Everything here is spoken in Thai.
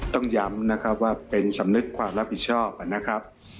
ต้องย้ำว่าเป็นสำนึกความรับผิดชอบ